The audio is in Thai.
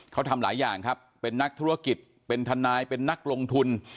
เขาทำหลายอย่างครับเป็นนักธุรกิจเป็นทนายเป็นนักลงทุน